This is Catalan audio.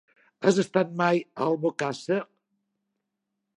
Has estat mai a Albocàsser?